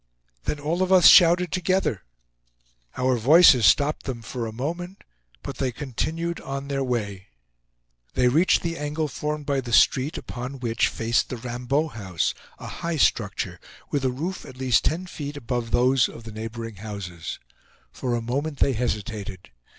Then all of us shouted together. Our voices stopped them for a moment, but they continued on their way. They reached the angle formed by the street upon which faced the Raimbeau house, a high structure, with a roof at least ten feet above those of the neighboring houses. For a moment they hesitated.